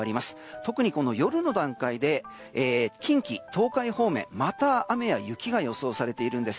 特に夜の段階で近畿・東海方面また雨や雪が予想されています。